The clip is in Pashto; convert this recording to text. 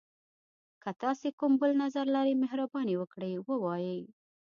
که تاسي کوم بل نظر لری، مهرباني وکړئ ووایئ.